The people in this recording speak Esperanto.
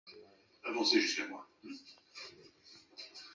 Longan vivon Kin atribuis al Dio, Budao, kaj tiuj, kiuj prizorgis ŝin.